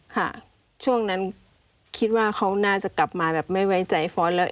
ค่ะช่วงนั้นคิดว่าเขาน่าจะกลับมาแบบไม่ไว้ใจฟ้อนแล้ว